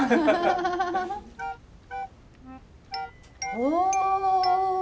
お！